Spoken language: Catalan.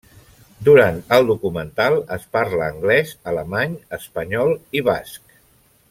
Durant el documental es parla anglès, alemany, espanyol i basc.